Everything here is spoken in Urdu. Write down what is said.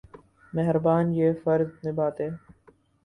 مہربان یہ فرض نبھاتے۔